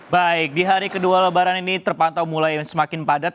baik di hari kedua lebaran ini terpantau mulai semakin padat